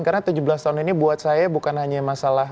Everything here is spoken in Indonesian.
karena tujuh belas tahun ini buat saya bukan hanya masalah